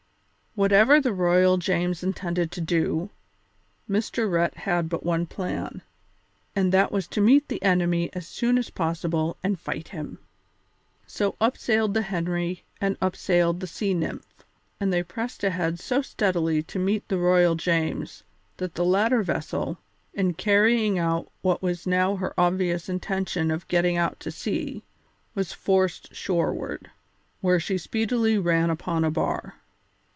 Whatever the Royal James intended to do, Mr. Rhett had but one plan, and that was to meet the enemy as soon as possible and fight him. So up sailed the Henry and up sailed the Sea Nymph, and they pressed ahead so steadily to meet the Royal James that the latter vessel, in carrying out what was now her obvious intention of getting out to sea, was forced shoreward, where she speedily ran upon a bar.